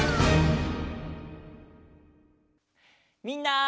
みんな！